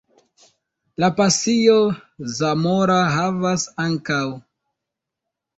La Pasio zamora havas, ankaŭ.